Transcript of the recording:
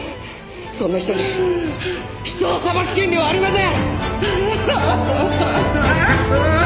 そんな人に人を裁く権利はありません！